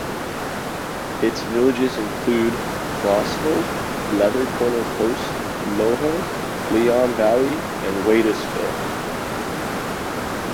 Its villages include Claussville, Leather Corner Post, Lowhill, Lyon Valley, and Weidasville.